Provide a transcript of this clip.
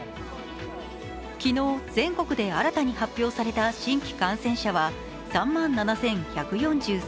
昨日、全国で新たに発表された新規感染者は３万７１４３人。